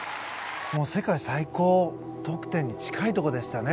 世界最高得点に近いところでしたね。